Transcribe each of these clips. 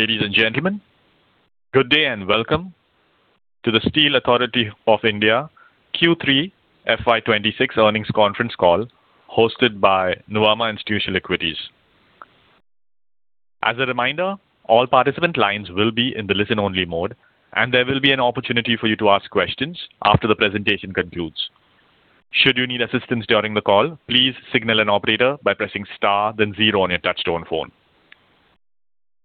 Ladies and gentlemen, good day, and welcome to the Steel Authority of India Q3 FY 2026 Earnings Conference Call, hosted by Nuvama Institutional Equities. As a reminder, all participant lines will be in the listen-only mode, and there will be an opportunity for you to ask questions after the presentation concludes. Should you need assistance during the call, please signal an operator by pressing star then zero on your touch-tone phone.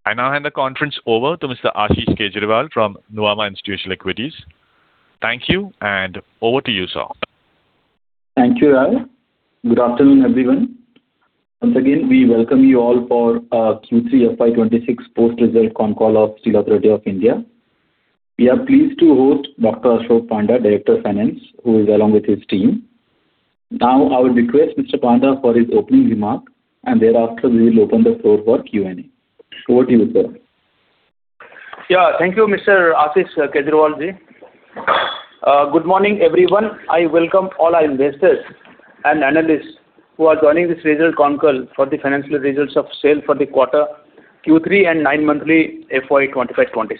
I now hand the conference over to Mr. Ashish Kejriwal from Nuvama Institutional Equities. Thank you, and over to you, sir. Thank you, Rahul. Good afternoon, everyone. Once again, we welcome you all for our Q3 FY 2026 post-result con call of Steel Authority of India. We are pleased to host Dr. Ashok Panda, Director of Finance, who is along with his team. Now, I will request Mr. Panda for his opening remark, and thereafter, we will open the floor for Q&A. Over to you, sir. Yeah. Thank you, Mr. Ashish Kejriwal ji. Good morning, everyone. I welcome all our investors and analysts who are joining this results con call for the financial results of SAIL for the quarter Q3 and nine monthly FY 2025-2026.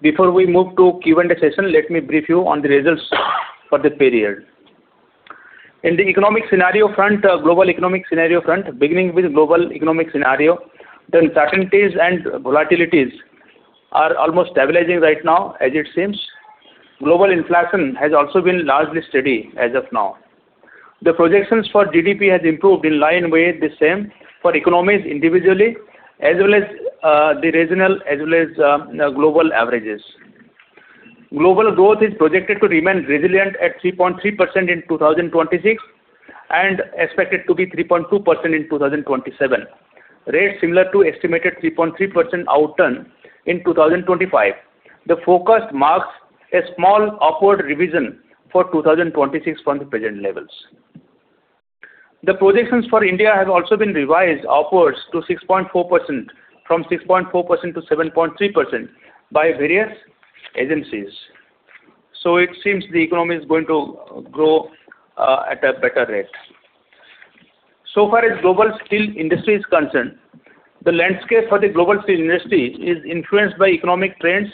Before we move to Q&A session, let me brief you on the results for the period. In the economic scenario front, global economic scenario front, beginning with global economic scenario, the uncertainties and volatilities are almost stabilizing right now as it seems. Global inflation has also been largely steady as of now. The projections for GDP has improved in line with the same for economies individually, as well as, the regional, as well as, global averages. Global growth is projected to remain resilient at 3.3% in 2026, and expected to be 3.2% in 2027, rate similar to estimated 3.3% outturn in 2025. The focus marks a small upward revision for 2026 from the present levels. The projections for India have also been revised upwards to 6.4%, from 6.4% to 7.3% by various agencies. It seems the economy is going to grow at a better rate. So far, as global steel industry is concerned, the landscape for the global steel industry is influenced by economic trends,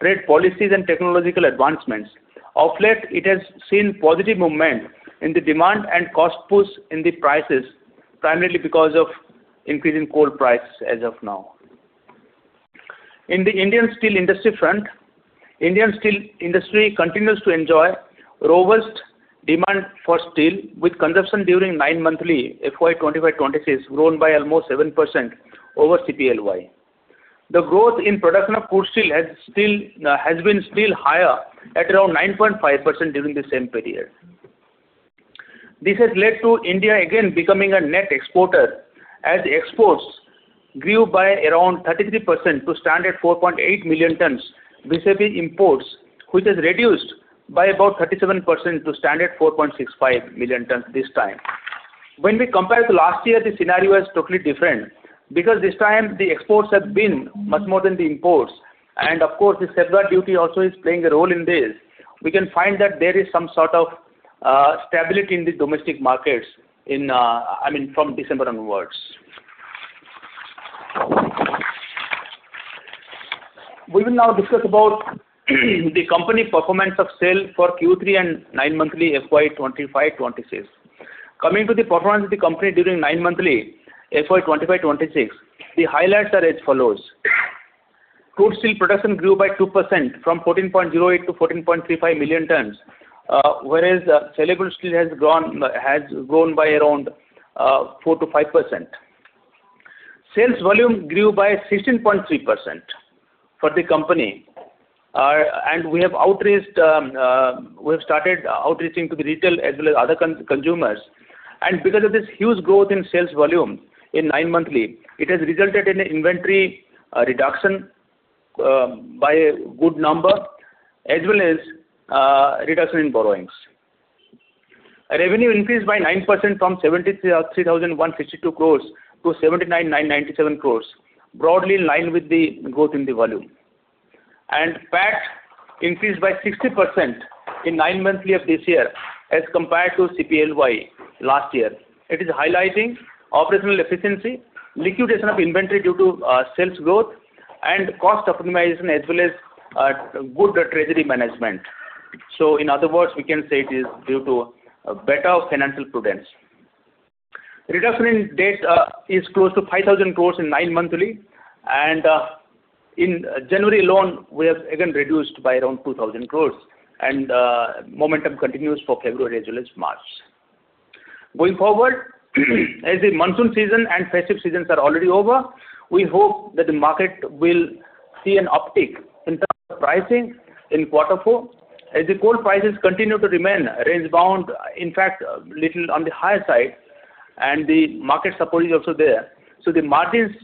trade policies, and technological advancements. Of late, it has seen positive movement in the demand and cost push in the prices, primarily because of increasing coal price as of now. In the Indian steel industry front, Indian steel industry continues to enjoy robust demand for steel, with consumption during nine monthly FY 2025-2026 grown by almost 7% over CPLY. The growth in production of crude steel has still, has been still higher at around 9.5% during the same period. This has led to India again becoming a net exporter, as exports grew by around 33% to 4.8 million tons, vis-a-vis imports, which has reduced by about 37% to 4.65 million tons this time. When we compare to last year, the scenario was totally different because this time the exports have been much more than the imports, and of course, the cess duty also is playing a role in this. We can find that there is some sort of stability in the domestic markets in, I mean, from December onwards. We will now discuss about the company performance of SAIL for Q3 and nine months FY 2025-2026. Coming to the performance of the company during nine months FY 2025-2026, the highlights are as follows: crude steel production grew by 2% from 14.08 million to 14.35 million tons, whereas saleable steel has grown by around 4%-5%. Sales volume grew by 16.3% for the company. And we have outreached, we have started outreaching to the retail as well as other consumers. And because of this huge growth in sales volume in nine monthly, it has resulted in an inventory reduction by a good number, as well as reduction in borrowings. Revenue increased by 9% from 73,162 crore to 79,997 crore, broadly in line with the growth in the volume. And PAT increased by 60% in nine monthly of this year as compared to CPLY last year. It is highlighting operational efficiency, liquidation of inventory due to sales growth, and cost optimization as well as good treasury management. So in other words, we can say it is due to a better financial prudence. Reduction in debt is close to 5,000 crore in nine months, and in January alone, we have again reduced by around 2,000 crore, and momentum continues for February as well as March. Going forward, as the monsoon season and festive seasons are already over, we hope that the market will see an uptick in terms of pricing in quarter four. As the coal prices continue to remain range bound, in fact, little on the higher side, and the market support is also there, so the margins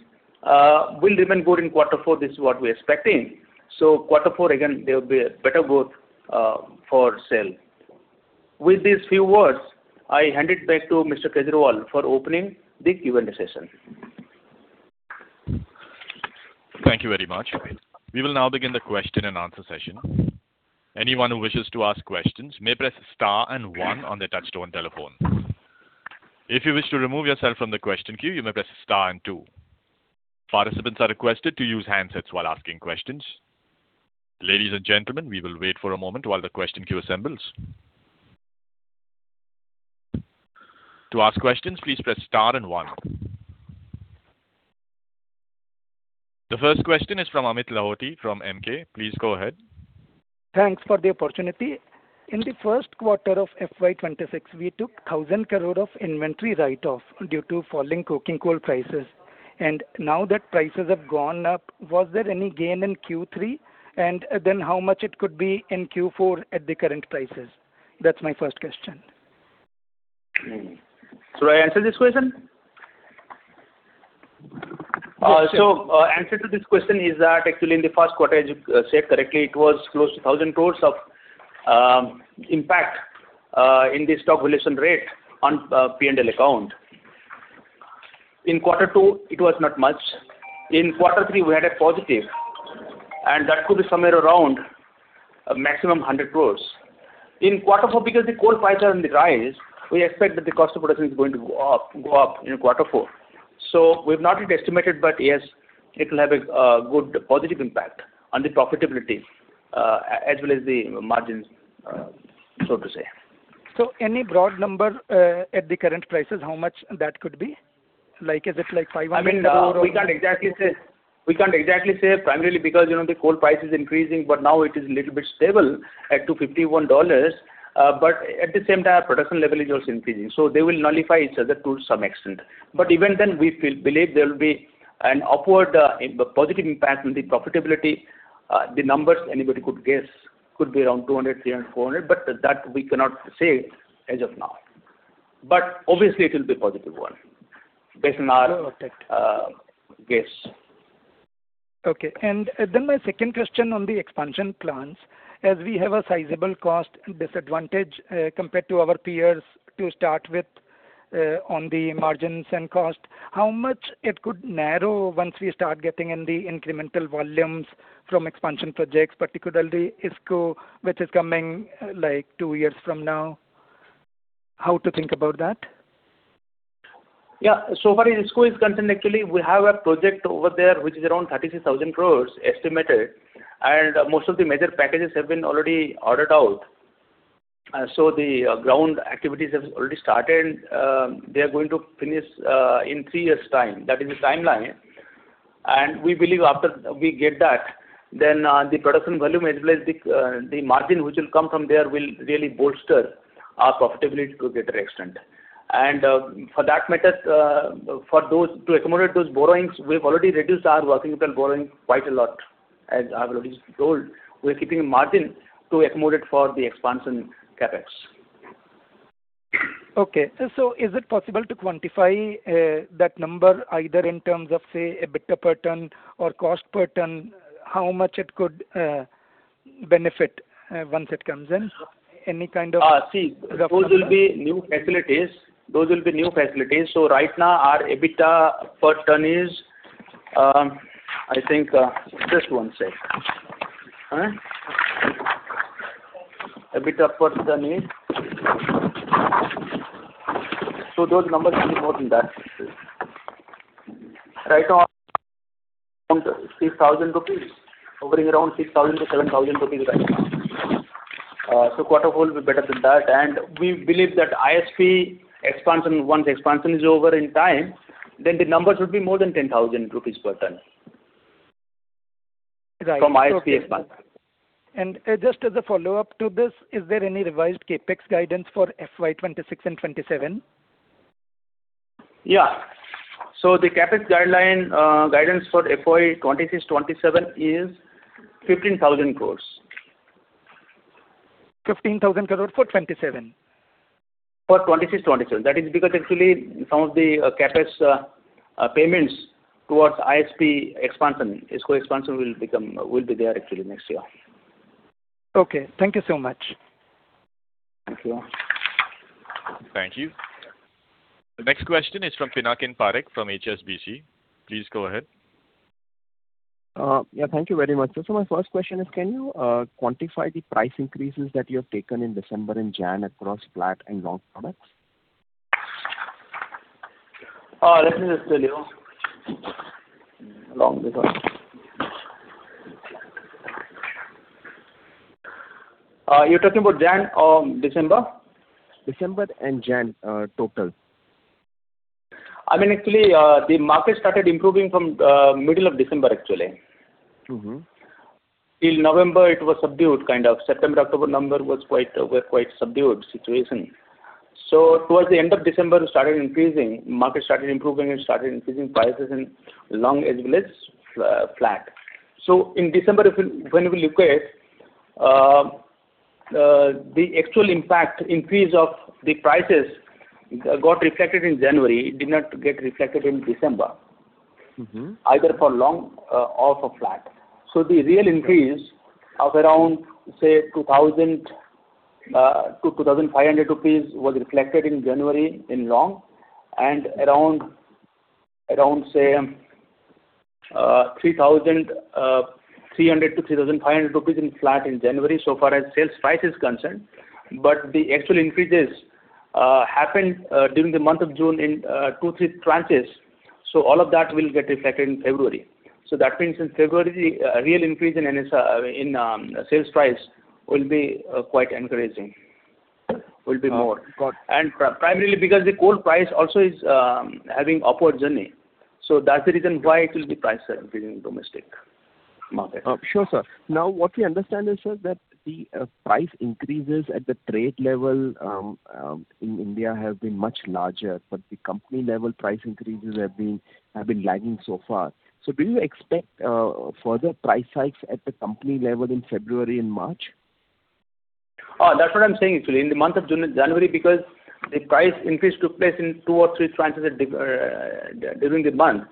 will remain good in quarter four. This is what we're expecting. So quarter four, again, there will be a better growth for SAIL. With these few words, I hand it back to Mr. Kejriwal for opening the Q&A session. Thank you very much. We will now begin the question and answer session. Anyone who wishes to ask questions may press star and 1 on their touchtone telephone. If you wish to remove yourself from the question queue, you may press star and 2. Participants are requested to use handsets while asking questions. Ladies and gentlemen, we will wait for a moment while the question queue assembles. To ask questions, please press star and 1. The first question is from Amit Lahoti from Emkay. Please go ahead. Thanks for the opportunity. In the first quarter of FY 2026, we took 1,000 crore of inventory write-off due to falling coking coal prices, and now that prices have gone up, was there any gain in Q3? And then how much it could be in Q4 at the current prices? That's my first question. Should I answer this question? So, answer to this question is that actually, in the first quarter, as you said correctly, it was close to 1,000 crore of impact in the stock valuation rate on P&L account. In Quarter two, it was not much. In Quarter three, we had a positive, and that could be somewhere around a maximum 100 crore. In Quarter four, because the coal prices are on the rise, we expect that the cost of production is going to go up in Quarter four. So we've not yet estimated, but yes, it will have a good positive impact on the profitability as well as the margins, so to say. So any broad number at the current prices, how much that could be? Like, is it like 500 crore-- I mean, we can't exactly say. We can't exactly say, primarily because, you know, the coal price is increasing, but now it is little bit stable at $251. But at the same time, production level is also increasing, so they will nullify each other to some extent. But even then, we believe there will be an upward, a positive impact on the profitability. The numbers anybody could guess could be around 200 crore, 300 crore, INR 400crore, but that we cannot say as of now. But obviously it will be a positive one, based on our guess. Okay. And then my second question on the expansion plans. As we have a sizable cost disadvantage, compared to our peers, to start with, on the margins and cost, how much it could narrow once we start getting in the incremental volumes from expansion projects, particularly ISP, which is coming, like, two years from now. How to think about that? Yeah. So where IISCO is concerned, actually, we have a project over there, which is around 36,000 crore estimated, and most of the major packages have been already ordered out. So the ground activities have already started. They are going to finish in three years' time. That is the timeline. And we believe after we get that, then the production volume, as well as the margin which will come from there, will really bolster our profitability to a greater extent. And, for that matter, for those to accommodate those borrowings, we've already reduced our working capital borrowing quite a lot. As I've already told, we're keeping a margin to accommodate for the expansion CapEx. Okay. So is it possible to quantify that number, either in terms of, say, EBITDA per ton or cost per ton? How much it could benefit once it comes in? Any kind of-- See, those will be new facilities. Those will be new facilities. So right now, our EBITDA per ton is, I think, EBITDA per ton is. So those numbers will be more than that. Right now, 6,000 rupees, hovering around 6,000-7,000 rupees right now. So quarter four will be better than that, and we believe that ISP expansion, once expansion is over in time, then the numbers will be more than 10,000 rupees per ton. Right. From ISP expansion. Just as a follow-up to this, is there any revised CapEx guidance for FY 2026 and 2027? Yeah. So the CapEx guideline, guidance for FY 2026-2027 is 15,000 crore. 15,000 crore for 2027? For 2026, 2027. That is because actually some of the CapEx payments towards ISP expansion, IISCO expansion, will be there actually next year. Okay. Thank you so much. Thank you. Thank you. The next question is from Pinakin Parekh, from HSBC. Please go ahead. Yeah, thank you very much. My first question is, can you quantify the price increases that you have taken in December and January across flat and long products? Let me just tell you. Along with--you're talking about January or December? December and January, total. I mean, actually, the market started improving from middle of December, actually. Till November, it was subdued, kind of. September, October, November were quite subdued situation. So towards the end of December, it started increasing, market started improving and started increasing prices in long as well as flat. So in December, when we look at the actual impact, increase of the prices got reflected in January, it did not get reflected in December. Either for long or for flat. So the real increase of around, say, 2000-2500 rupees was reflected in January in long and around, say, 3300-3500 rupees in flat in January, so far as sales price is concerned. But the actual increases happened during the month of June in two-three tranches, so all of that will get reflected in February. So that means in February, real increase in NSR in sales price will be quite encouraging, will be more. Got it. Primarily because the coal price also is having upward journey. That's the reason why it will be price increasing domestic market. Sure, sir. Now, what we understand is, sir, that the price increases at the trade level in India have been much larger, but the company-level price increases have been lagging so far. So do you expect further price hikes at the company level in February and March? Oh, that's what I'm saying, actually. In the month of June and January, because the price increase took place in two or three tranches at during the month,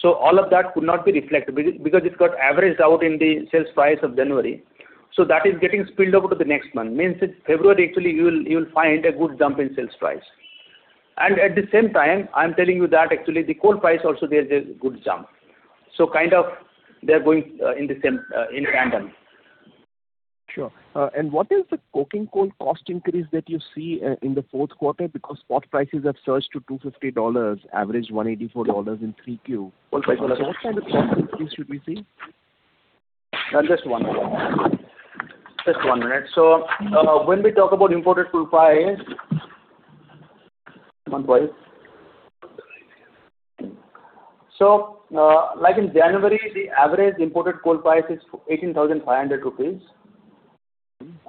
so all of that could not be reflected, because, because it got averaged out in the sales price of January. So that is getting spilled over to the next month. Means in February, actually, you will, you will find a good jump in sales price. And at the same time, I'm telling you that actually the coal price also, there's a good jump. So kind of they are going in the same in tandem. Sure. And what is the coking coal cost increase that you see in the fourth quarter? Because spot prices have surged to $250, average $184 in 3Q. So what kind of cost increase should we see? Just one minute. Just one minute. So, when we talk about imported coal price, one point. So, like in January, the average imported coal price is 18,500 rupees,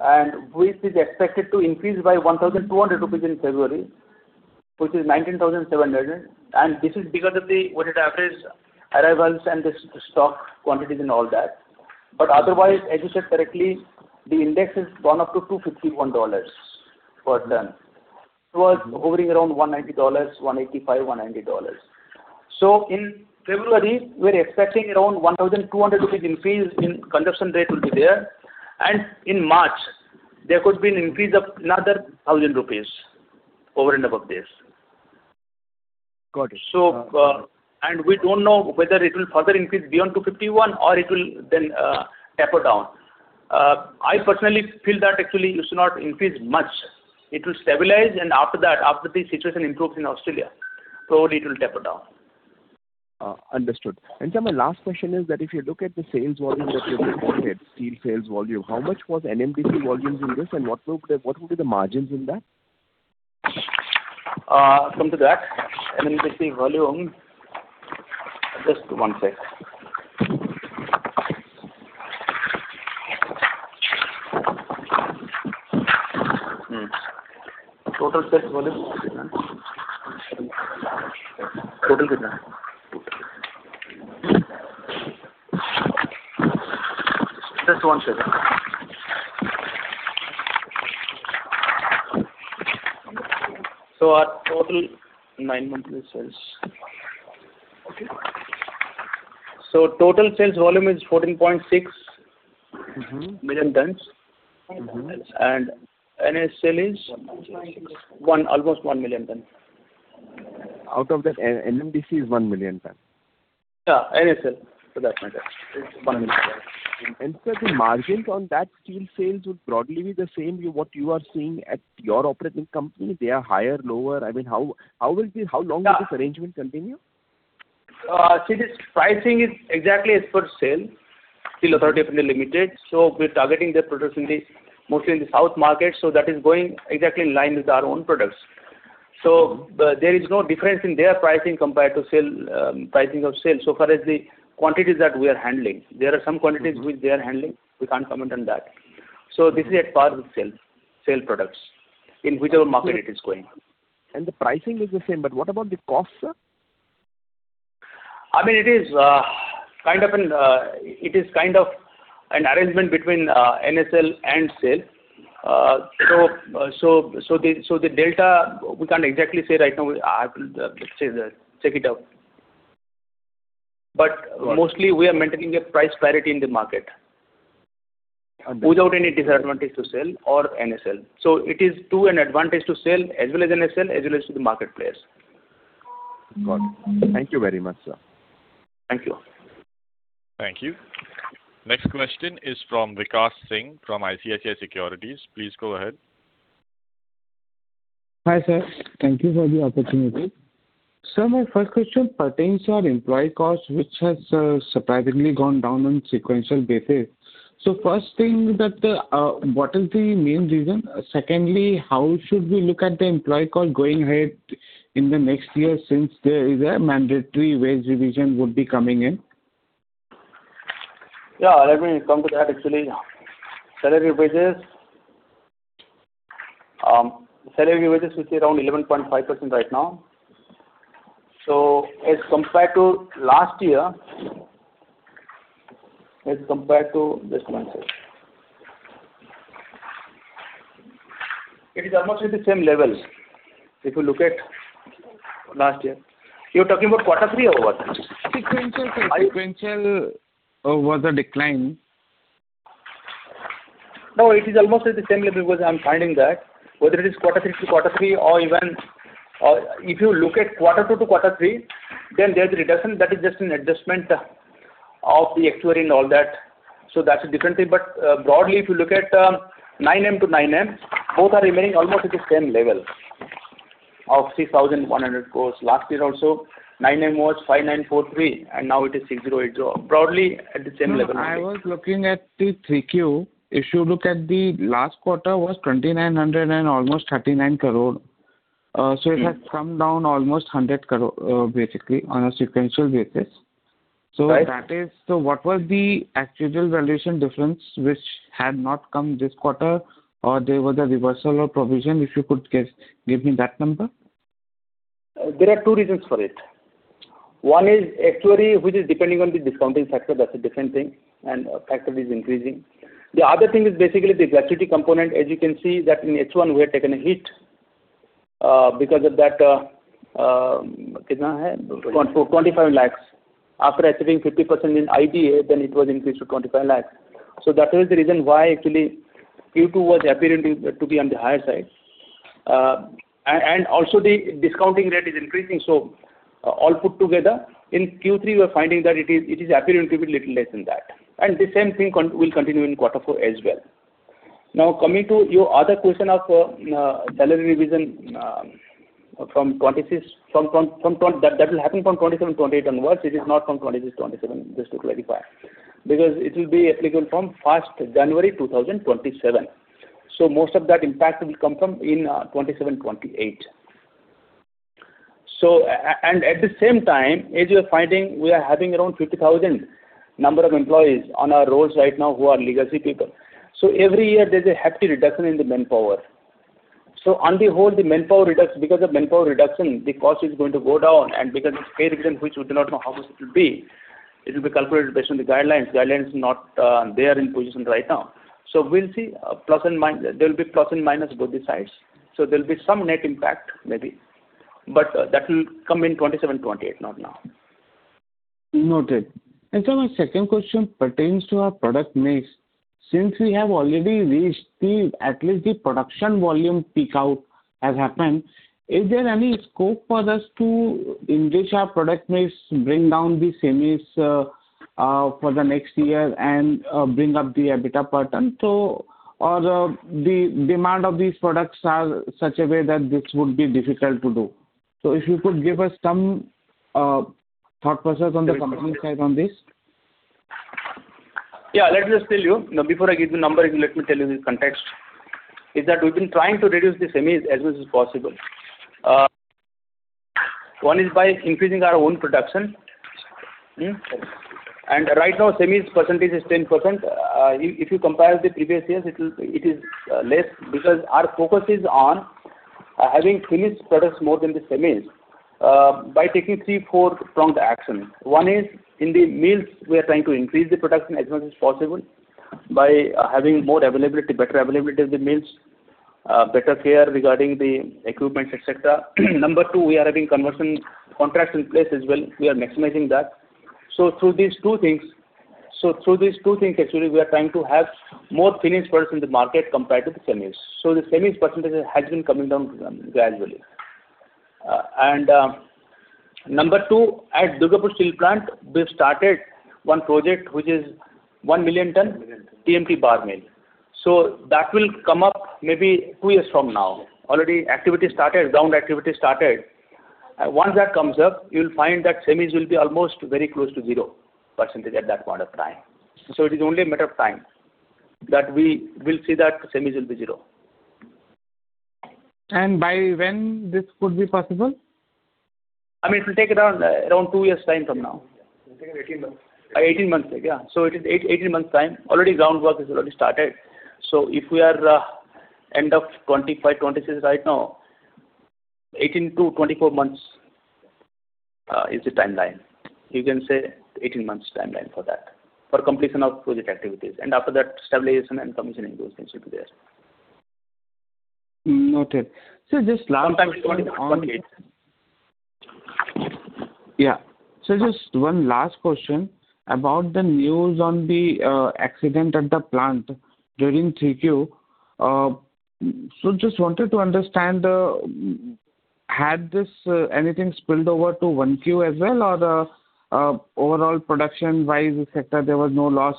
and which is expected to increase by 1,200 rupees in February, which is 19,700. And this is because of the weighted average arrivals and the stock quantities and all that. But otherwise, as you said correctly, the index has gone up to $251 per ton. It was hovering around $190, $185, $190. So in February, we're expecting around 1,200 rupees increase in consumption rate will be there. And in March, there could be an increase of another 1,000 rupees over and above this. Got it. We don't know whether it will further increase beyond $251 or it will then taper down. I personally feel that actually it should not increase much. It will stabilize, and after that, after the situation improves in Australia, probably it will taper down. Understood. Sir, my last question is that if you look at the sales volume that you reported, steel sales volume, how much was NMDC volumes in this, and what would, what would be the margins in that? Come to that, NMDC volume. Just one sec. Just one second. So our total nine-month sales. Okay. Total sales volume is 14.6 million tons. NSL is? Almost 1 million tons. Out of that, NMDC is 1 million ton. Yeah, NSL, for that matter, is 1 million tons. And, sir, the margins on that steel sales would broadly be the same what you are seeing at your operating company? They are higher, lower? I mean, how will the--how long will this arrangement continue? See, this pricing is exactly as per SAIL, Steel Authority of India Limited, so we're targeting their products in the, mostly in the south market, so that is going exactly in line with our own products. So there is no difference in their pricing compared to SAIL pricing of SAIL, so far as the quantities that we are handling. There are some quantities which they are handling, we can't comment on that. So this is at par with SAIL, SAIL products, in whichever market it is going. The pricing is the same, but what about the cost, sir? I mean, it is kind of an arrangement between NSL and SAIL. So the delta, we can't exactly say right now. I will say that, check it out. But-- Got it. Mostly we are maintaining a price parity in the market without any disadvantage to SAIL or NSL. So it is to an advantage to SAIL, as well as NSL, as well as to the marketplace. Got it. Thank you very much, sir. Thank you. Thank you. Next question is from Vikash Singh, from ICICI Securities. Please go ahead. Hi, sir. Thank you for the opportunity. Sir, my first question pertains to our employee costs, which has surprisingly gone down on sequential basis. So first thing, what is the main reason? Secondly, how should we look at the employee cost going ahead in the next year since there is a mandatory wage revision would be coming in? Yeah, let me come to that actually. Salary wages, salary wages, which is around 11.5% right now. So as compared to last year, as compared to this month it is almost at the same level, if you look at last year. You're talking about quarter three or what? Sequential, sir. Sequential was a decline. No, it is almost at the same level, because I'm finding that whether it is quarter three to quarter three or even, if you look at quarter two to quarter three, then there's a reduction that is just an adjustment of the actuary and all that, so that's a different thing. But, broadly, if you look at, nine M to nine M, both are remaining almost at the same level of 6,100 crore. Last year also, nine M was 5,943 crore, and now it is 6,080 crore. Broadly, at the same level. I was looking at the Q3. If you look at the last quarter was 2,900 crore and almost 39 crore. So it has come down almost 100 crore, basically on a sequential basis. So what was the actuarial valuation difference which had not come this quarter, or there was a reversal of provision, if you could give, give me that number? There are two reasons for it. One is actuarial, which is depending on the discounting factor, that's a different thing, and factor is increasing. The other thing is basically the guarantee component. As you can see, in H1, we had taken a hit because of that, INR 25 lakh. After achieving 50% in IDA, then it was increased to INR 25 lakh. So that is the reason why actually Q2 was appearing to be on the higher side. And also the discounting rate is increasing, so all put together, in Q3, we are finding that it is appearing to be little less than that. And the same thing will continue in quarter four as well. Now, coming to your other question of salary revision, from 2026, that will happen from 2027, 2028 onwards. It is not from 2026, 2027, just to clarify. Because it will be applicable from January 1, 2027, so most of that impact will come from in 2027, 2028. And at the same time, as you are finding, we are having around 50,000 number of employees on our rolls right now who are legacy people. So every year there's a hefty reduction in the manpower. So on the whole, the manpower reduction—because of manpower reduction, the cost is going to go down, and because of pay reduction, which we do not know how much it will be, it will be calculated based on the guidelines. Guidelines is not there in position right now. So we'll see, plus and minus—there will be plus and minus both the sides. There'll be some net impact, maybe, but that will come in 2027, 2028, not now. Noted. My second question pertains to our product mix. Since we have already reached the, at least the production volume peak out has happened, is there any scope for us to enrich our product mix, bring down the semis for the next year and bring up the EBITDA pattern? So, or, the demand of these products are such a way that this would be difficult to do. So if you could give us some thought process on the company side on this. Yeah, let me just tell you. Now, before I give you number, let me tell you the context, is that we've been trying to reduce the semis as much as possible. One is by increasing our own production. And right now, semis percentage is 10%. If you compare with previous years, it is less because our focus is on having finished products more than the semis by taking three, four pronged action. One is, in the mills, we are trying to increase the production as much as possible by having more availability, better availability of the mills, better care regarding the equipment, et cetera. Number two, we are having conversion contracts in place as well. We are maximizing that. So through these two things, so through these two things, actually, we are trying to have more finished products in the market compared to the semis. So the semis percentage has been coming down gradually. And, number two, at Durgapur Steel Plant, we've started one project which is 1 million ton TMT bar mill. So that will come up maybe two years from now. Already activity started, ground activity started. Once that comes up, you'll find that semis will be almost very close to 0% at that point of time. So it is only a matter of time, that we will see that semis will be zero. By when this could be possible? I mean, it will take around two years time from now. It will take 18 months. 18 months, yeah. So it is 18 months time. Already ground work is already started. So if we are end of 2025, 2026 right now, 18-24 months is the timeline. You can say 18 months timeline for that, for completion of project activities. And after that, stabilization and commissioning, those things should be there. Noted. So just last-- Sometime 2028. Yeah. So just one last question about the news on the accident at the plant during 3Q. So just wanted to understand, had this anything spilled over to 1Q as well, or overall production-wise sector, there was no loss?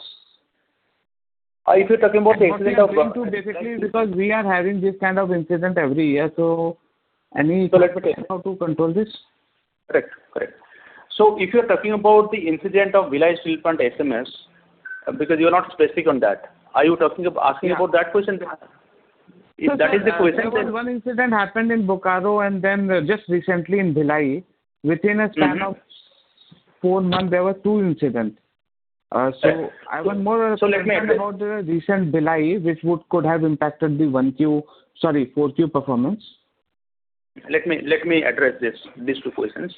If you're talking about the accident of-- Basically, because we are having this kind of incident every year, so any plan to control this? Correct. So if you're talking about the incident of Bhilai Steel Plant SMS, because you are not specific on that. Are you talking about asking about that question? If that is the question, then- One incident happened in Bokaro, and then just recently in Bhilai. Within a span of four months, there were two incidents. Correct. So I want more about the recent Bhilai, which could have impacted the 1Q, sorry, 4Q performance. Let me address this, these two questions.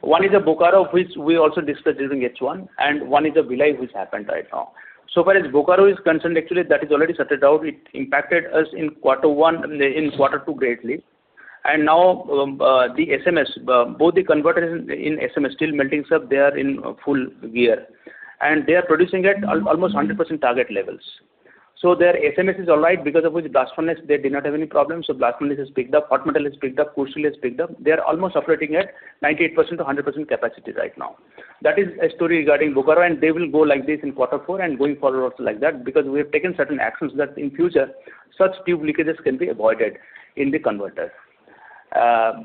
One is the Bokaro, which we also discussed during H1, and one is the Bhilai, which happened right now. So far as Bokaro is concerned, actually, that is already sorted out. It impacted us in quarter one, in quarter two greatly. And now, the SMS, both the converters in, in SMS, Steel Melting Shop, they are in full gear, and they are producing at almost 100% target levels. So their SMS is all right, because of which blast furnace, they did not have any problems, so blast furnace has picked up, hot metal has picked up, crude steel has picked up. They are almost operating at 98%-100% capacity right now. That is a story regarding Bokaro, and they will go like this in quarter four and going forward also like that, because we have taken certain actions that in future, such tube leakages can be avoided in the converter,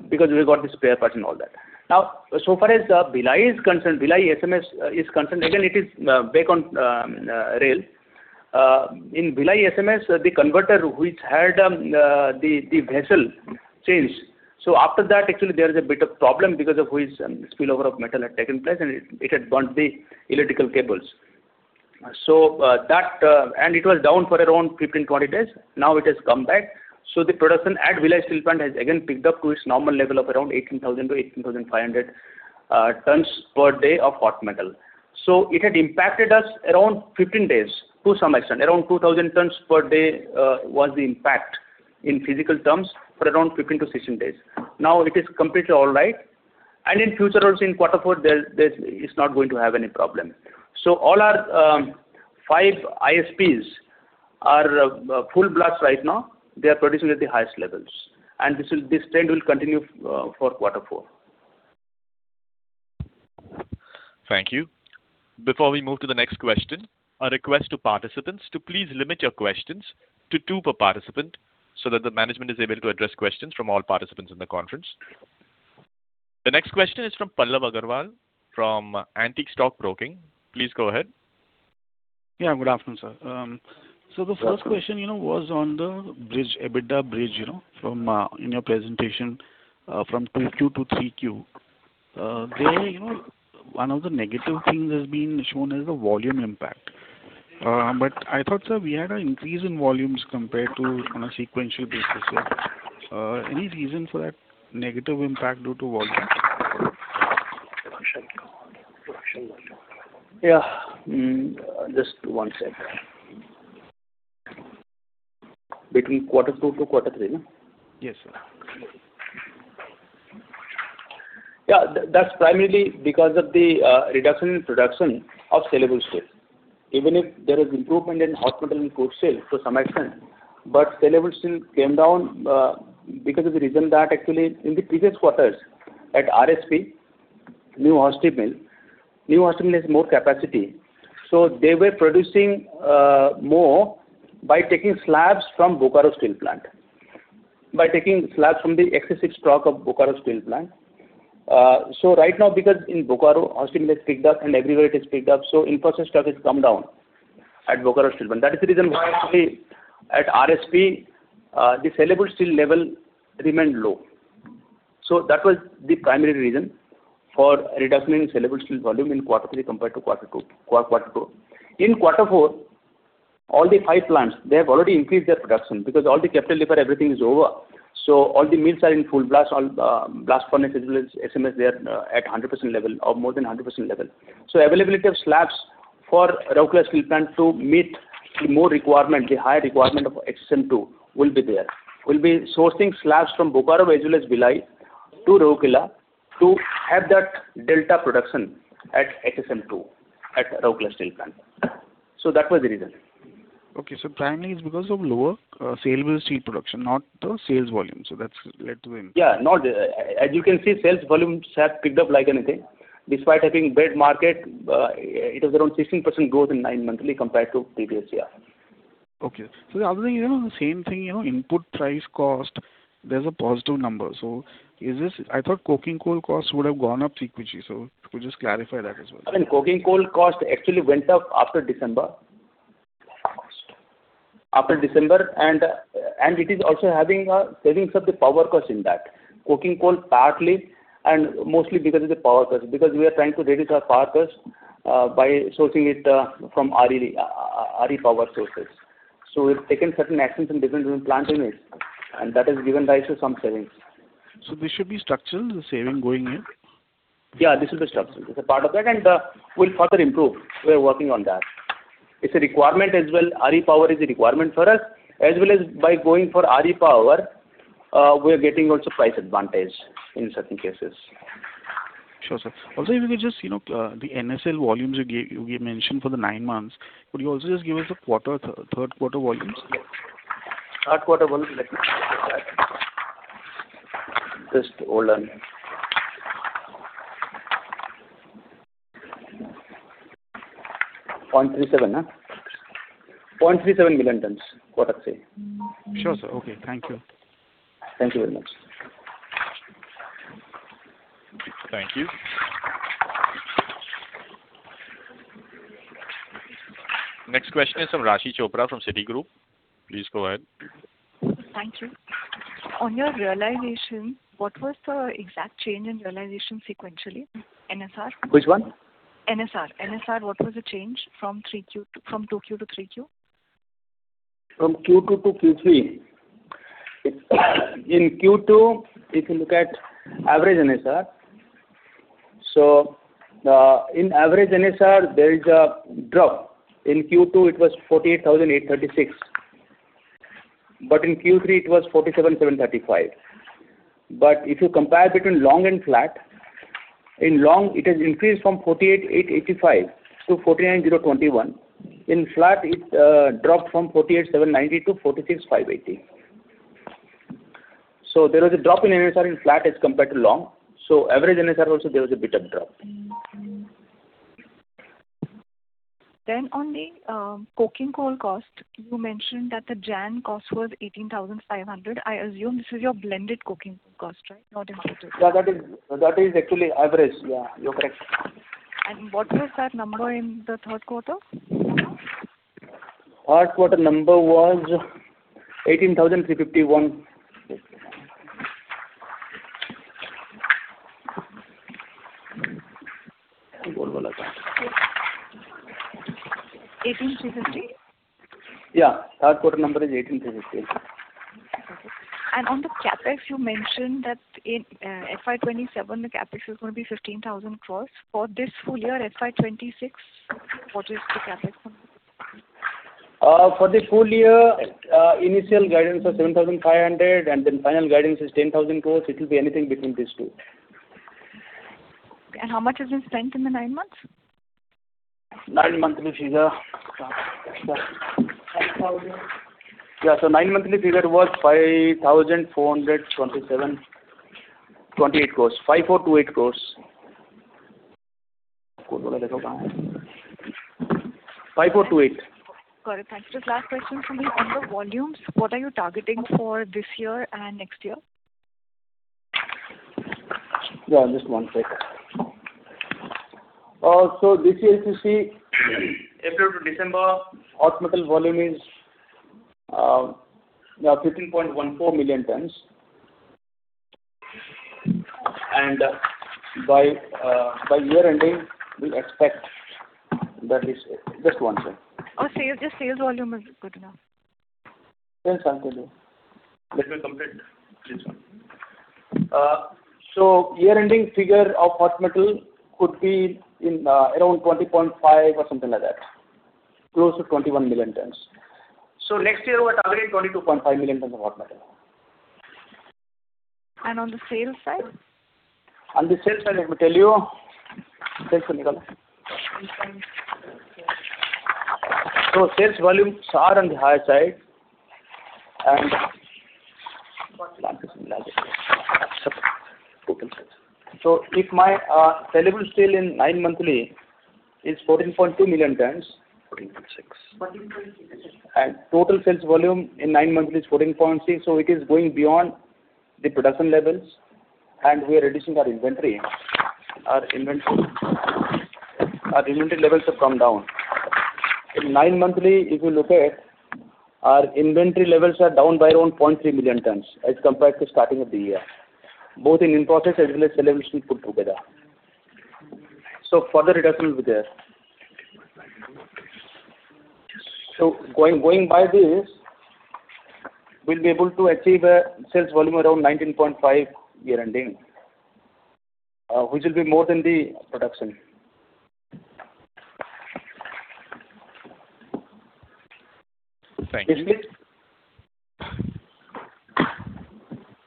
because we've got the spare parts and all that. Now, so far as Bhilai is concerned, Bhilai SMS is concerned, again, it is back on rail. In Bhilai SMS, the converter which had the vessel changed. So after that, actually, there is a bit of problem because of which spillover of metal had taken place, and it had burnt the electrical cables. So that. And it was down for around 15, 20 days. Now it has come back. Production at Bhilai Steel Plant has again picked up to its normal level of around 18,000 to 18,500 tons per day of hot metal. It had impacted us around 15 days to some extent. Around 2,000 tons per day was the impact in physical terms for around 15-16 days. Now, it is completely all right, and in future also, in quarter four, there is not going to have any problem. All our five ISPs are full blast right now. They are producing at the highest levels, and this trend will continue for quarter four. Thank you. Before we move to the next question, a request to participants to please limit your questions to two per participant so that the management is able to address questions from all participants in the conference. The next question is from Pallav Agarwal from Antique Stock Broking. Please go ahead. Yeah, good afternoon, sir. So the first question. You know, was on the bridge, EBITDA bridge, you know, from, in your presentation, from 2Q to 3Q. There, you know, one of the negative things has been shown as the volume impact. But I thought, sir, we had an increase in volumes compared to on a sequential basis, sir. Any reason for that negative impact due to volume? Yeah. Just one sec. Between quarter two to quarter three, no? Yes, sir. Yeah, that, that's primarily because of the reduction in production of saleable steel. Even if there is improvement in hot metal and crude steel to some extent, but saleable steel came down because of the reason that actually in the previous quarters at RSP, new [Austenite] mill, new [Austenite] mill has more capacity. So they were producing more by taking slabs from Bokaro Steel Plant, by taking slabs from the excessive stock of Bokaro Steel Plant. So right now, because in Bokaro, [Austenite] has picked up and everywhere it is picked up, so in-process stock has come down at Bokaro Steel Plant. That is the reason why actually at RSP, the saleable steel level remained low. So that was the primary reason for reduction in saleable steel volume in quarter three compared to quarter two, quarter two. In quarter four, all the five plants, they have already increased their production because all the capital delivery, everything is over. So all the mills are in full blast. All, blast furnace as well as SMS, they are, at 100% level or more than 100% level. So availability of slabs for Rourkela Steel Plant to meet the more requirement, the higher requirement of HSM-2 will be there. We'll be sourcing slabs from Bokaro as well as Bhilai to Rourkela to have that delta production at HSM-2, at Rourkela Steel Plant. So that was the reason. Okay. So primarily, it's because of lower saleable steel production, not the sales volume. So that's led to the-- Yeah, as you can see, sales volumes have picked up like anything. Despite having bad market, it is around 16% growth in nine months compared to previous year. Okay. So the other thing, you know, the same thing, you know, input price cost, there's a positive number. So is this-- I thought coking coal costs would have gone up sequentially, so could you just clarify that as well? I mean, coking coal cost actually went up after December. Cost? After December, it is also having a savings of the power cost in that. Coking coal, partly, and mostly because of the power cost, because we are trying to reduce our power cost by sourcing it from RE power sources. So we've taken certain actions in different plant units, and that has given rise to some savings. This should be structural, the saving going in? Yeah, this is the structure. It's a part of that, and we'll further improve. We're working on that. It's a requirement as well. RE power is a requirement for us. As well as by going for RE power, we're getting also price advantage in certain cases. Sure, sir. Also, if you could just, you know, the NSL volumes you mentioned for the nine months, could you also just give us the third quarter volumes? Third quarter volumes, let me check that. Just hold on. 0.37 million tons, quarter three. Sure, sir. Okay, thank you. Thank you very much. Thank you. Next question is from Raashi Chopra from Citigroup. Please go ahead. Thank you. On your realization, what was the exact change in realization sequentially, NSR? Which one? NSR. NSR, what was the change from 2Q to 3Q? From Q2 to Q3? In Q2, if you look at average NSR. So, in average NSR, there is a drop. In Q2, it was 48,836, but in Q3 it was 47,735. But if you compare between long and flat, in long, it has increased from 48,885 to 49,021. In flat, it dropped from 48,790 to 46,580. So there was a drop in NSR in flat as compared to long. So average NSR also, there was a bit of drop. Then on the coking coal cost, you mentioned that the Jan cost was 18,500. I assume this is your blended coking cost, right? Not in-- Yeah, that is, that is actually average. Yeah, you're correct. What was that number in the third quarter? Third quarter number was 18,351. 18,350? Yeah. Third quarter number is 18,350. Okay. And on the CapEx, you mentioned that in FY 2027, the CapEx is going to be 15,000 crore. For this full year, FY 2026, what is the CapEx for? For the full year, initial guidance was 7,500 crore, and then final guidance is 10,000 crore. It will be anything between these two. How much has been spent in the nine months? Nine monthly figure, yeah, so nine monthly figure was 5,427.28 crores. 5,428 crores. Got it. Thanks. The last question for me, on the volumes, what are you targeting for this year and next year? Yeah, just one second. So this year you see, April to December, hot metal volume is 15.14 million tons. And by year ending, we expect that is--Just one second. Oh, sales, just sales volume is good enough. Yes, let me complete this one. So year-ending figure of hot metal could be in, around 20.5 million or something like that, close to 21 million tons. So next year, we're targeting 22.5 million tons of hot metal. On the sales side? On the sales side, let me tell you, so sales volumes are on the higher side, and so if my saleable steel in nine monthly is 14.2 million tons, 14.6 million. 14.6 million. Total sales volume in nine months is 14.6 million, so it is going beyond the production levels, and we are reducing our inventory. Our inventory levels have come down. In nine months, if you look at, our inventory levels are down by around 0.3 million tons as compared to starting of the year, both in-process as well as sales put together. So further reductions will be there. So going by this, we'll be able to achieve a sales volume around 19.5 year ending, which will be more than the production. Thank you.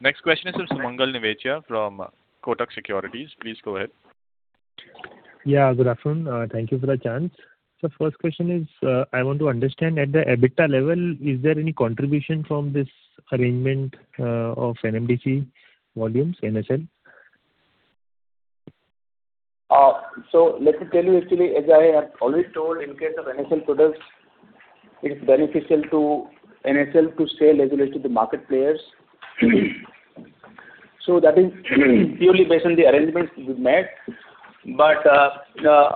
Next question is from Sumangal Nevatia from Kotak Securities. Please go ahead. Yeah, good afternoon. Thank you for the chance. So first question is, I want to understand at the EBITDA level, is there any contribution from this arrangement, of NMDC volumes, NSL? So let me tell you, actually, as I have already told, in case of NSL products, it's beneficial to NSL to sell as well as to the market players. So that is purely based on the arrangements we've made. But,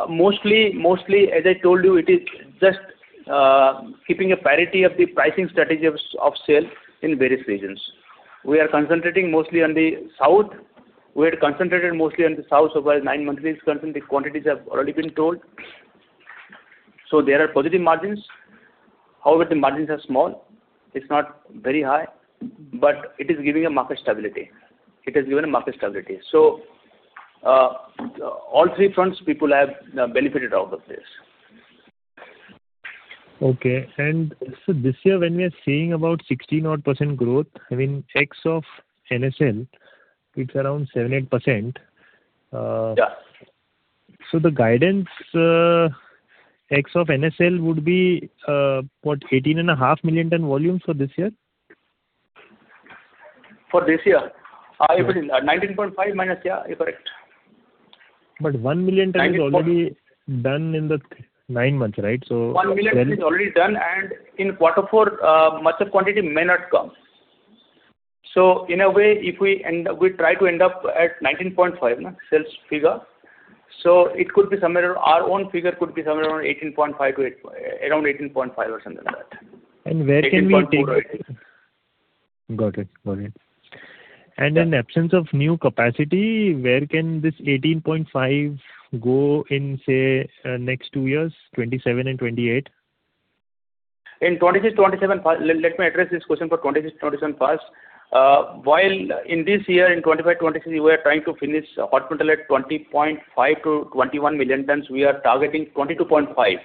mostly, mostly, as I told you, it is just, keeping a parity of the pricing strategy of sale in various regions. We are concentrating mostly on the south. We are concentrated mostly on the south. So while nine monthly is concerned, the quantities have already been told. So there are positive margins. However, the margins are small. It's not very high, but it is giving a market stability. It has given a market stability. So, all three fronts, people have, benefited out of this. Okay. And so this year, when we are seeing about 16%-odd growth, I mean, ex of NSL, it's around 7%-8%. Yeah. So the guidance, ex of NSL would be, what, 18.5 million ton volumes for this year? For this year? Yeah. -19.5 million. Yeah, you're correct. But 1 million ton is already done in the nine months, right? So-- 1 million ton is already done, and in quarter four, much of quantity may not come. So in a way, if we end up, we try to end up at 19.5 million, no, sales figure, so it could be somewhere, our own figure could be somewhere around 18.5 million-18 million, around 18.5 million or something like that. Where can we take--Got it. Got it. Yeah. In absence of new capacity, where can this 18.5 million go in, say, next two years, 2027 and 2028? In 2026-2027, let me address this question for 2026-2027 first. While in this year, in 2025-2026, we are trying to finish hot metal at 20.5 million-21 million tons. We are targeting 22.5 million.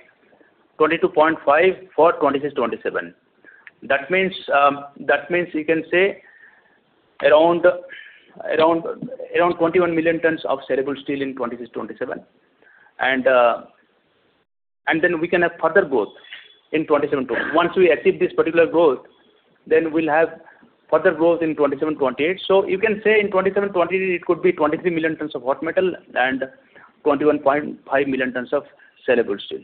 22.5 million for 2026-2027. That means, that means you can say around 21 million tons of saleable steel in 2026-2027. And, and then we can have further growth in 2027-2028. Once we achieve this particular growth, then we'll have further growth in 2027-2028. So you can say in 2027-2028, it could be 23 million tons of hot metal and 21.5 million tons of saleable steel.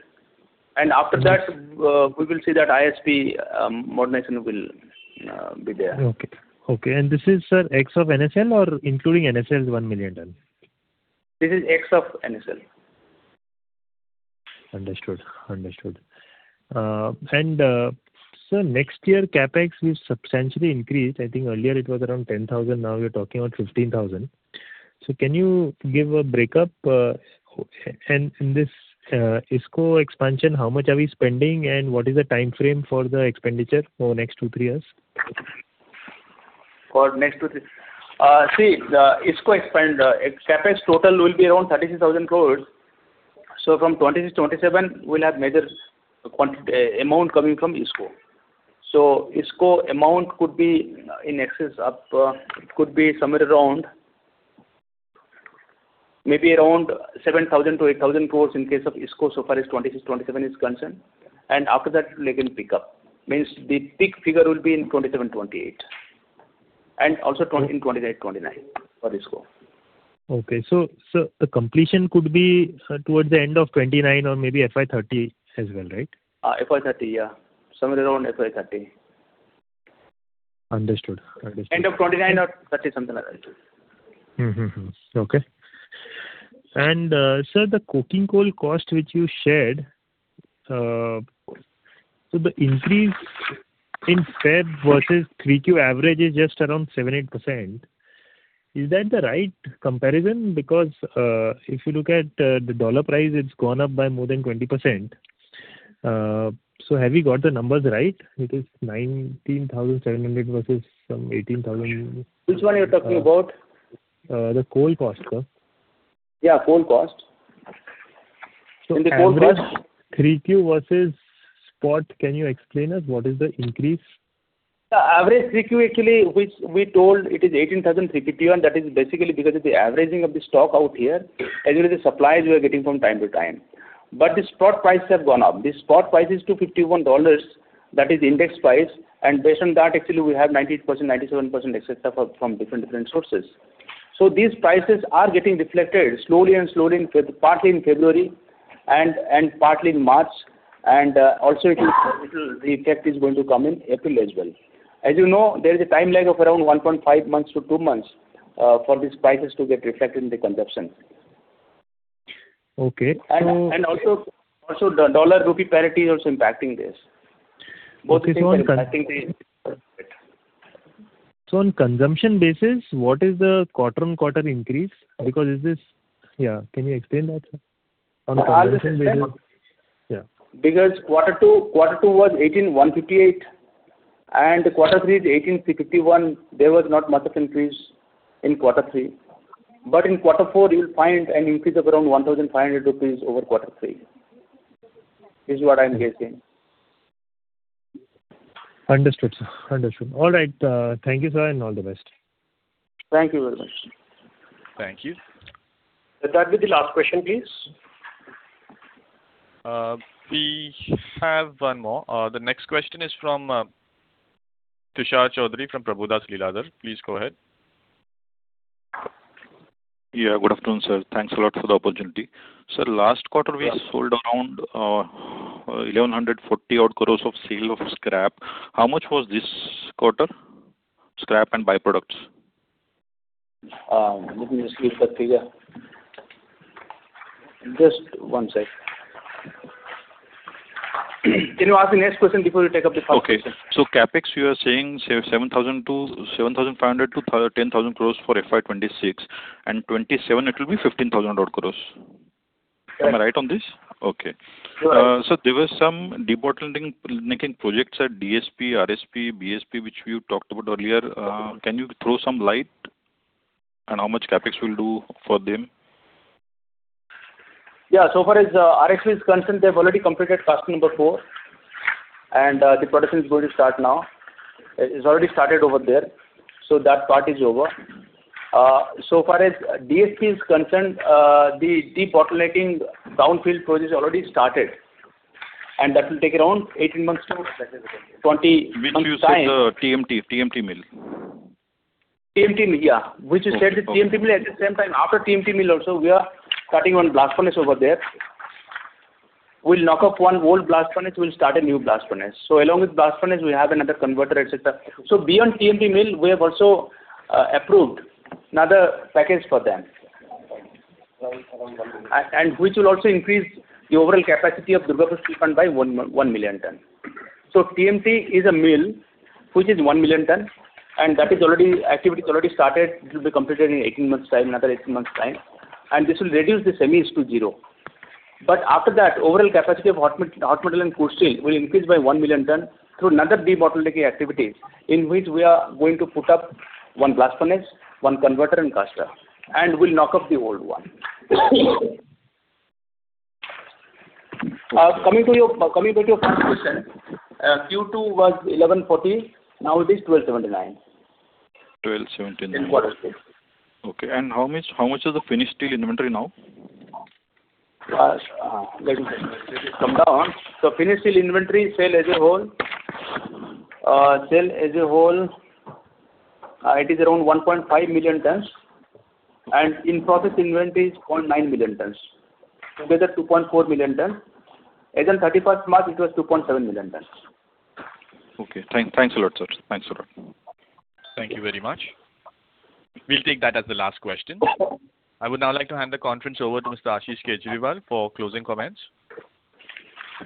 And after that, we will see that ISP modernization will be there. Okay, and this is, sir, ex of NSL or including NSL's 1 million ton? This is ex of NSL. UndeUnderstood. And, sir, next year, CapEx will substantially increase. I think earlier it was around 10,000, now we're talking about 15,000. So can you give a break up, and in this, ISP expansion, how much are we spending, and what is the time frame for the expenditure for next two-three years? For next two, three. See, the ISP expansion CapEx total will be around 36,000 crore. So from 2026-2027, we'll have major amount coming from ISP expansion. So ISP expansion amount could be in excess of, could be somewhere around, maybe around 7,000 crore-8,000 crore in case of ISP expansion, so far as 2026-2027 is concerned, and after that, it will again pick up. Means the peak figure will be in 2027-2028, and also 2028-2029 for ISP expansion. Okay. So, the completion could be towards the end of 2029 or maybe FY 2030 as well, right? FY 2030, yeah. Somewhere around FY 2030. Understood. End of 2029 or 2030, something like that. Okay. And, sir, the coking coal cost, which you shared, so the increase in Feb versus 3Q average is just around 7%-8%. Is that the right comparison? Because, if you look at, the dollar price, it's gone up by more than 20%. So have we got the numbers right? It is INR INR 19,700 versus some INR 18,000. Which one are you talking about? The coal cost, sir. Yeah, coal cost. 3Q versus spot, can you explain us what is the increase? The average 3Q actually, which we told it is 18,351, that is basically because of the averaging of the stock out here, as well as the supplies we are getting from time to time. But the spot prices have gone up. The spot price is $251, that is index price, and based on that, actually, we have 90%, 97%, etc., from different, different sources. So these prices are getting reflected slowly and slowly, partly in February and partly in March, and also the effect is going to come in April as well. As you know, there is a time lag of around 1.5 months to 2 months for these prices to get reflected in the consumption. Okay. And also, the dollar-rupee parity is also impacting this. Okay, so on consum-- Both things are impacting this. So on consumption basis, what is the quarter-on-quarter increase? Because this is. Yeah, can you explain that, sir? On consumption basis. Because quarter two, quarter two was 18,158, and quarter three is 18,351. There was not much of increase in quarter three. But in quarter four, you will find an increase of around 1,500 rupees over quarter three, is what I'm guessing. Understood, sir. Understood. All right, thank you, sir, and all the best. Thank you very much. Thank you. Would that be the last question, please? We have one more. The next question is from Tushar Chaudhari from Prabhudas Lilladher. Please go ahead. Yeah, good afternoon, sir. Thanks a lot for the opportunity. Sir, last quarter we sold around 1,140 crores-odd of sale of scrap. How much was this quarter, scrap and byproducts? Let me just give that figure. Just one sec. Can you ask the next question before you take up this one? Okay. So CapEx, you are saying 7,000 crore to 7,500 crore to 13,000 crore for FY 2026 and 2027, it will be 15,000 crore-odd. Am I right on this? Okay. Right. There were some debottlenecking, necking projects at DSP, RSP, BSP, which we talked about earlier. Can you throw some light on how much CapEx will do for them? Yeah. So far as RSP is concerned, they've already completed task number 4, and the production is going to start now. It's already started over there, so that part is over. So far as DSP is concerned, the debottlenecking brownfield project already started, and that will take around 18-20 months time. Which uses the TMT, TMT mill. TMT mill, yeah. Okay. Which we said the TMT mill. At the same time, after TMT mill also, we are starting one blast furnace over there. We'll knock off one old blast furnace, we'll start a new blast furnace. So along with blast furnace, we have another converter, et cetera. So beyond TMT mill, we have also approved another package for them. And which will also increase the overall capacity of Durgapur Steel Plant by 1 million ton. So TMT is a mill which is 1 million ton, and that is already, activity is already started. It will be completed in 18 months' time, another 18 months' time, and this will reduce the semis to zero. But after that, overall capacity of hot metal and crude steel will increase by 1 million ton through another debottlenecking activities, in which we are going to put up one blast furnace, one converter, and caster, and we'll knock up the old one. Coming back to your first question, Q2 was 1,140 crores, now it is 1,279 crores. 1,279 crores. In quarter three. Okay. And how much, how much is the finished steel inventory now? Let me come down. So finished steel inventory sale as a whole, it is around 1.5 million tons, and in-process inventory is 0.9 million tons. Together, 2.4 million tons. As at 31st March, it was 2.7 million tons. Okay. Thanks a lot, sir. Thanks a lot. Thank you very much. We'll take that as the last question. I would now like to hand the conference over to Mr. Ashish Kejriwal for closing comments.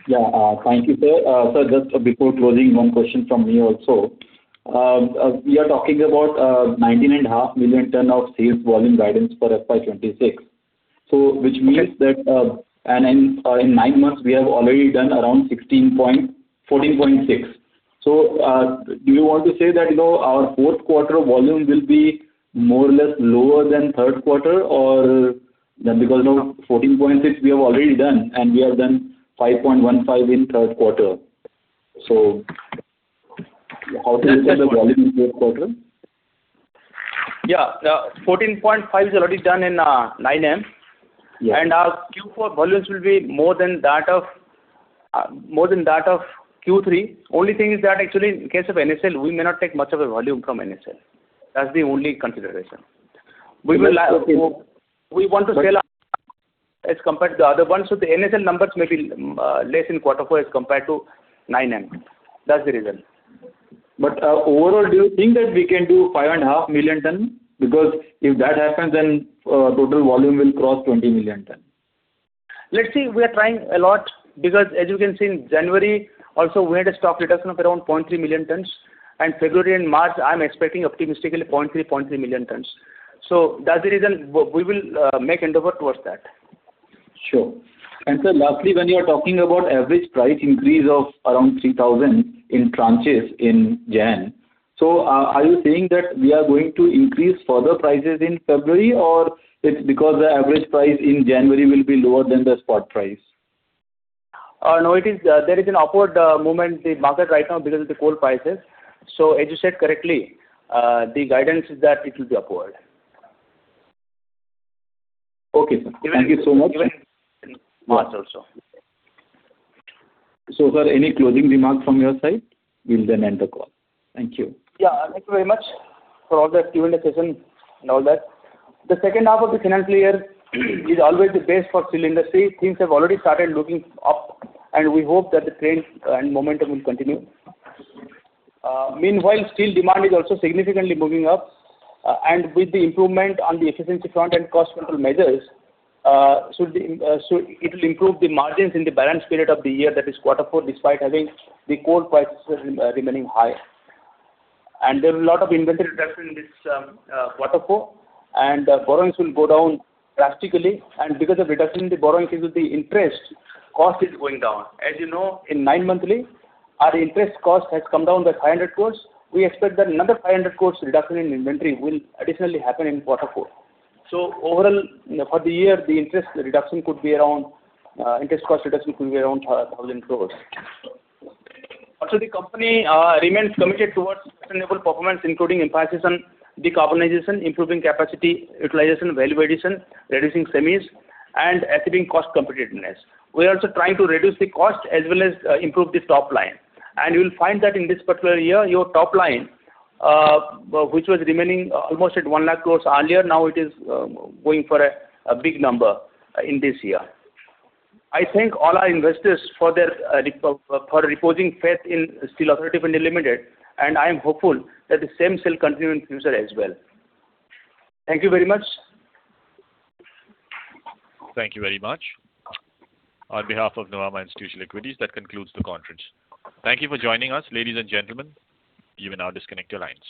Yeah, thank you, sir. Sir, just before closing, one question from me also. We are talking about 19.5 million ton of sales volume guidance for FY 2026, so which means that, and in nine months, we have already done 14.6 million. So, do you want to say that, you know, our fourth quarter volume will be more or less lower than third quarter? Or then because now 14.6 million, we have already done, and we have done 5.15 million in third quarter. So how do you look at the volume in fourth quarter? Yeah. 14.5 million is already done in 9M. Yes. And our Q4 volumes will be more than that of, more than that of Q3. Only thing is that actually, in case of NSL, we may not take much of a volume from NSL. That's the only consideration. We will-- Okay. We want to sell as compared to the other ones, so the NSL numbers may be less in quarter four as compared to 9M. That's the reason. But, overall, do you think that we can do 5.5 million ton? Because if that happens, then, total volume will cross 20 million ton. Let's see. We are trying a lot because as you can see, in January, also we had a stock reduction of around 0.3 million tons, and February and March, I'm expecting optimistically 0.3 million tons. So that's the reason we will make endeavor towards that. Sure. Sir, lastly, when you are talking about average price increase of around 3,000 in tranches in January, so are you saying that we are going to increase further prices in February, or it's because the average price in January will be lower than the spot price? No, it is, there is an upward movement in the market right now because of the coal prices. So as you said correctly, the guidance is that it will be upward. Okay, sir. Thank you so much. Even March also. Sir, any closing remarks from your side? We'll then end the call. Thank you. Yeah, thank you very much for all the Q&A session and all that. The second half of the financial year is always the best for steel industry. Things have already started looking up, and we hope that the trend and momentum will continue. Meanwhile, steel demand is also significantly moving up, and with the improvement on the efficiency front and cost control measures, should be, so it'll improve the margins in the balance period of the year, that is quarter four, despite having the coal prices remaining high. There is a lot of inventory reduction in this quarter four, and borrowings will go down drastically. Because of reduction in the borrowings, because of the interest cost is going down. As you know, in nine monthly, our interest cost has come down by 500 crore. We expect that another 500 crore reduction in inventory will additionally happen in quarter four. So overall, for the year, the interest reduction could be around, interest cost reduction could be around, 1,000 crore. Also, the company remains committed towards sustainable performance, including emphasis on decarbonization, improving capacity, utilization, value addition, reducing semis, and achieving cost competitiveness. We are also trying to reduce the cost as well as, improve the top line. And you will find that in this particular year, your top line, which was remaining almost at 100,000 crore earlier, now it is, going for a big number, in this year. I thank all our investors for their, reposing faith in Steel Authority of India Limited, and I am hopeful that the same will continue in future as well. Thank you very much. Thank you very much. On behalf of Nuvama Institutional Equities, that concludes the conference. Thank you for joining us, ladies and gentlemen. You may now disconnect your lines.